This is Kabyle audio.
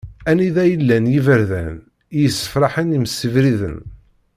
Anida i llan yiberdan i yessefraḥen imsebriden.